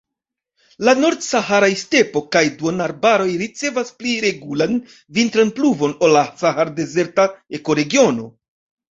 La nord-saharaj stepo kaj duonarbaroj ricevas pli regulan vintran pluvon ol la sahar-dezerta ekoregiono.